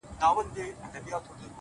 هوډ ستړې لارې لنډوي!